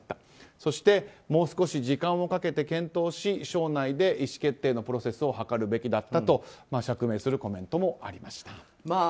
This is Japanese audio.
そしてもう少し時間をかけて検討し省内で意思決定のプロセスを図るべきだったと釈明するコメントもありました。